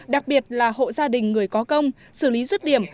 đặc biệt là hộ gia đình người có công xử lý rứt điểm